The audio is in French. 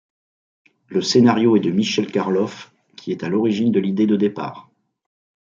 Le scénario est de Michel Karlof qui est à l'origine de l'idée de départ.